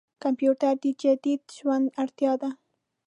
کمپيوټر د جديد ژوند اړتياده.